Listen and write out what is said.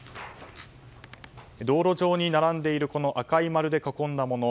道路上に並んでいる赤い丸で囲んだもの